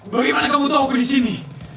bagaimana kamu tahu aku disini